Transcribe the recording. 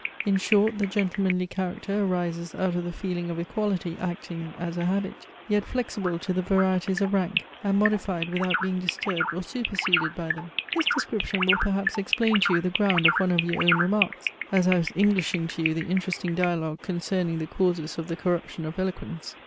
In short, the gentlemanly character arises out of the feeling of Equality acting, as a Habit, yet flexible to the varieties of Rank, and modified without being disturbed or superseded by them. This description will perhaps explain to you the ground of one of your own remarks, as I was englishing to you the interesting dialogue concerning the causes of the corruption of eloquence.